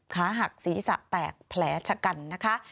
ขาหักศีรษะแตกแผลชะกันนะคะ